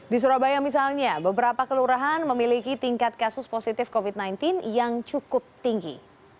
di surabaya misalnya beberapa kelurahan memiliki tingkat kasus positif covid sembilan belas yang cukup tinggi